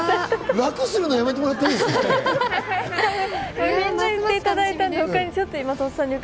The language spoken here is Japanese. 楽するの、やめてもらっていいですか？